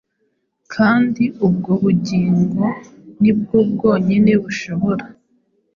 kandi ubwo bugingo ni bwo bwonyine bushobora